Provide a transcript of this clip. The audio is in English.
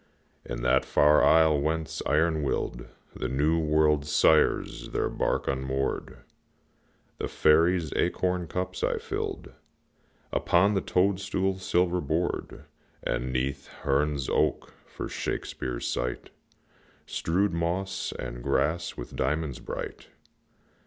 In that far isle whence, iron willed, The New World's sires their bark unmoored, The fairies' acorn cups I filled Upon the toadstool's silver board, And, 'neath Herne's oak, for Shakspeare's sight, Strewed moss and grass with diamonds bright.